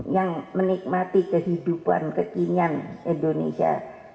yang menikmati kehidupan kekinian indonesia